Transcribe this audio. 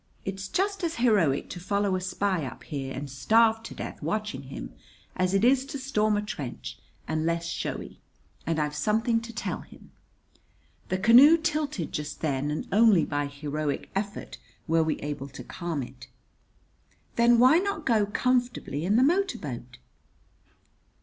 It's just as heroic to follow a spy up here, and starve to death watching him, as it is to storm a trench and less showy. And I've something to tell him." The canoe tilted just then, and only by heroic effort, were we able to calm it. "Then why not go comfortably in the motor boat?"